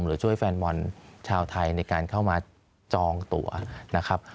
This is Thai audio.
ช่วยแฟนบอลชาวไทยในการเข้ามาจองตัวนะครับ